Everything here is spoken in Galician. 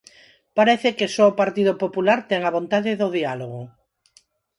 Parece que só o Partido Popular ten a vontade do diálogo.